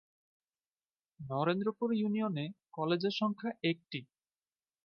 Narendrapur union এ কলেজের সংখ্যা একটি।